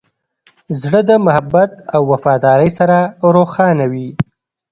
زړه د محبت او وفادارۍ سره روښانه وي.